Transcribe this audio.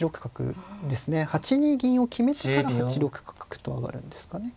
８二銀を決めてから８六角と上がるんですかね。